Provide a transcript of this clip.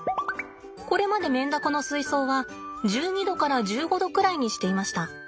これまでメンダコの水槽は１２℃から１５℃くらいにしていました。